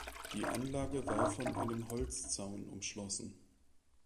Die Anlage war von einem Holzzaun umschlossen.